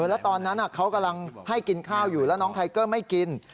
แล้วตอนนั้นเขากำลังให้กินข้าวอยู่แล้วน้องไทเกอร์ไม่กิน